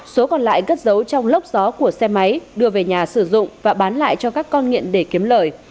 số còn lại cất giấu trong lốc gió của xe máy đưa về nhà sử dụng và bán lại cho các con nghiện để kiếm lời